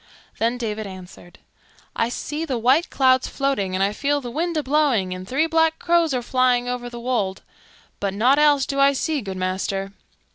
Then David answered, "I see the white clouds floating and I feel the wind a blowing and three black crows are flying over the wold; but nought else do I see, good master."